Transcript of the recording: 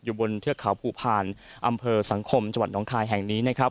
อยู่บนเทือกเขาผู้ผ่านอำเภอสังคมจนคายแห่งนี้นะครับ